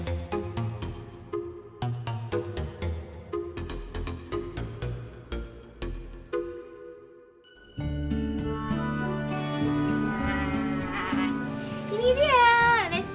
ini dia nasinya wow cobain ya iyalah